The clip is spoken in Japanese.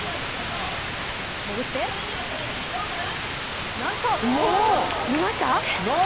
潜って、なんと、見えました？